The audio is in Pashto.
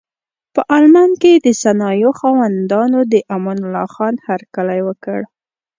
په المان کې د صنایعو خاوندانو د امان الله خان هرکلی وکړ.